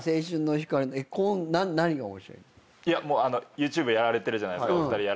ＹｏｕＴｕｂｅやられてるじゃないですか。